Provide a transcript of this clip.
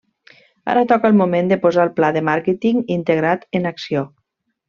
Ara toca el moment de posar el pla de màrqueting integrat en acció.